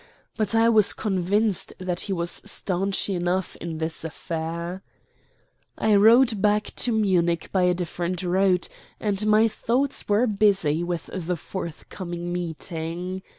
But I was convinced that he was stanch enough in this affair. I rode back to Munich by a different route, and my thoughts were busy with the forthcoming meeting.